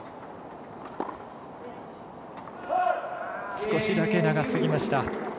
少しだけ長すぎました。